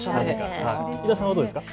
井田さんはどうですか。